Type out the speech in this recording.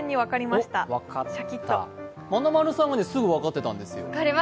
まなまるさんはすぐ分かってたんですよ。